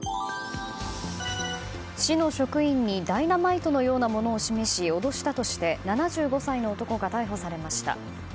市の職員にダイナマイトのようなものを示し脅したとして７５歳の男が逮捕されました。